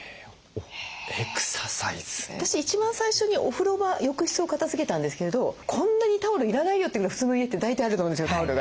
私一番最初にお風呂場浴室を片づけたんですけどこんなにタオル要らないよってぐらい普通の家って大体あると思うんですよタオルが。